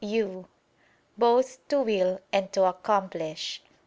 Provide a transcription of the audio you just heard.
'you'] "both to will and to accomplish."